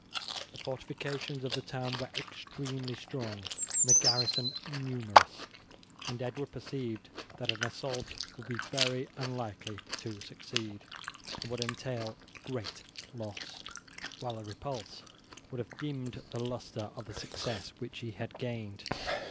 The fortifications of the town were extremely strong and the garrison numerous, and Edward perceived that an assault would be very unlikely to succeed, and would entail great loss, while a repulse would have dimmed the lustre of the success which he had gained.